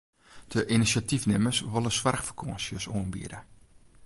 De inisjatyfnimmers wolle soarchfakânsjes oanbiede.